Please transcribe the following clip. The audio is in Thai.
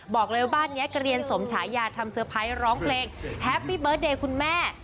บอกเลยว่าบ้านนี้เกลียนสมฉายาทำเซอร์ไพรส์ร้องเพลงแฮปปี้เบิร์ตเดย์คุณแม่